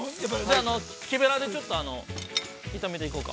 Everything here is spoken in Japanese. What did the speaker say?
◆木ベラで、ちょっと炒めていこうか。